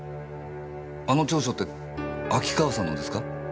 あの調書って秋川さんのですか？